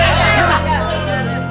ya betul betul